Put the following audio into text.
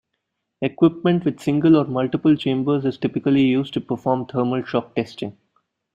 Equipment with single or multiple chambers is typically used to perform thermal shock testing.